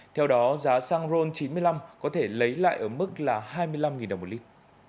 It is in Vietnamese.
theo đó giá xăng ron chín mươi năm có thể lấy lại ở mức là hai mươi năm đồng một lít